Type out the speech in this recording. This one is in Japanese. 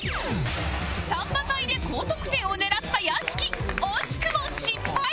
サンバ隊で高得点を狙った屋敷惜しくも失敗！